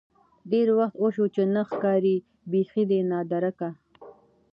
ډېر وخت وشو چې نه ښکارې بيخې ده نادركه.